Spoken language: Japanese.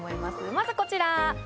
まずこちら。